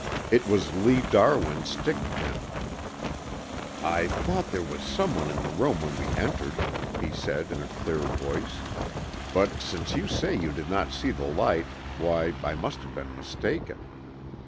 It was Lee Darwin's stick pin. "I thought there was someone in the room when we entered," he said in a clear voice, "but since you say you did not see the light, why I must have been mistaken.